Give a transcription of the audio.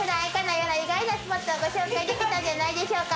意外なスポットをご紹介できたんじゃないでしょうか。